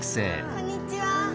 こんにちは！